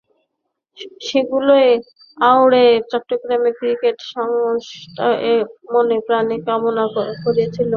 সেগুলোই আওড়ে চট্টগ্রামের ক্রিকেট সংগঠকেরা মনে-প্রাণে কামনা করছিলেন আবারও মিথ্যা হোক পূর্বাভাস।